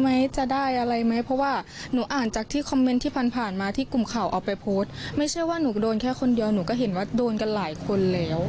ไม่ใช่ว่าหนูโดนแค่คนเดียวหนูก็เห็นว่าโดนกันหลายคนแล้ว